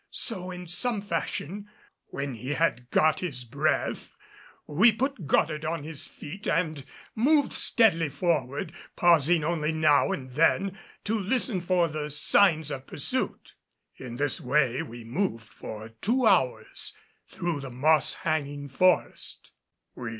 So in some fashion, when he had got his breath, we put Goddard on his feet and moved steadily forward, pausing only now and then to listen for the signs of pursuit. In this way we moved for two hours through the moss hanging forest.